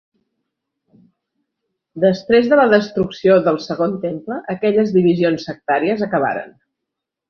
Després de la destrucció del Segon Temple, aquelles divisions sectàries acabaren.